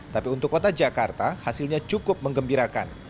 tapi untuk kota jakarta hasilnya cukup mengembirakan